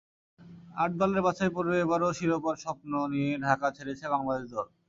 আট দলের বাছাইপর্বে এবারও শিরোপার স্বপ্ন নিয়ে ঢাকা ছেড়েছে বাংলাদেশ দল।